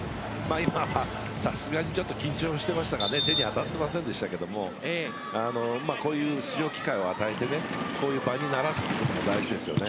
今はさすがに緊張していましたか手に当たっていませんでしたがこういう出場機会を与えて場に慣らすことも大事ですよね。